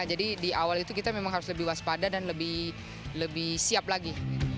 jadi di awal itu kita memang harus lebih waspada dan lebih siap lagi